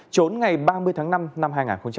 trốn ngày ba mươi tháng năm năm hai nghìn một mươi chín